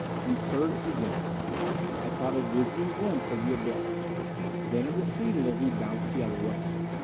We surged against it. I caught a dizzying glimpse of the abyss. Then it receded as we bounced the other way.